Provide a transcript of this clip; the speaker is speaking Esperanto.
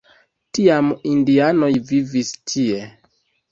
Tiam indianoj vivis tie.